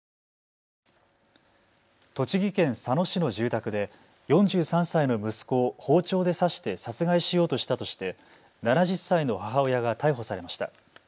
栃木県佐野市の住宅で４３歳の息子を包丁で刺して殺害しようとしたとして７０歳の母親が逮捕されました。